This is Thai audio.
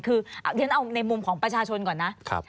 คือเรียนเอาในมุมของประชาชนก่อนนะ